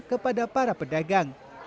kepada para pedagang